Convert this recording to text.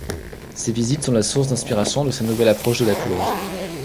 Ces visites sont la source d'inspiration de sa nouvelle approche de la couleur.